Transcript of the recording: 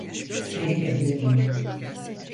Deneyebilirim.